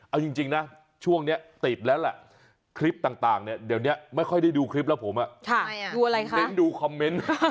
เอาจริงนะช่วงนี้ติดแล้วแหละคลิปต่างเนี่ยเดี๋ยวนี้ไม่ค่อยได้ดูคลิปแล้วผมดูอะไรคะเน้นดูคอมเมนต์